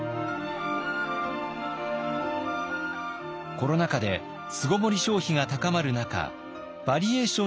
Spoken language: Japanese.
コロナ禍で巣籠もり消費が高まる中バリエーション